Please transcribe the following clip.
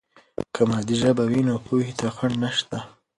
که مادي ژبه وي، نو پوهې ته خنډ نشته.